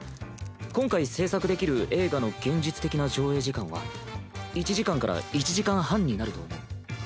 今回制作できる映画の現実的な上映時間は１時間から１時間半になると思う。